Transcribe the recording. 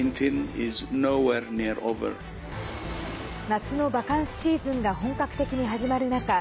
夏のバカンスシーズンが本格的に始まる中